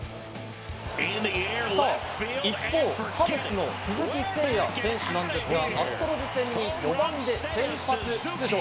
一方、カブスの鈴木誠也選手なんですが、アストロズ戦に４番で先発出場。